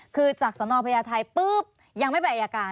คือจากสนพญาไทยปุ๊บยังไม่ไปอายการ